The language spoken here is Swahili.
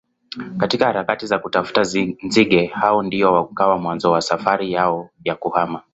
katika harakati za kutafuta nzige hao ndio ukawa mwanzo wa safari yao ya kuhama